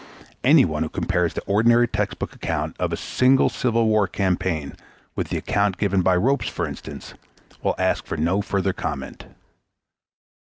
Any one who compares the ordinary textbook account of a single Civil War campaign with the account given by Ropes, for instance, will ask for no further comment.